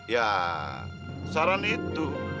ya saran itu